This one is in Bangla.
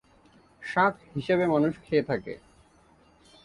শাক হিসেবে মানুষ খেয়ে থাকে।